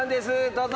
どうぞ！